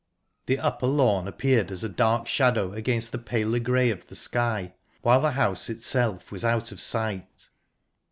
The upper lawn appeared as a dark shadow against the paler grey of the sky, while the house itself was out of sight.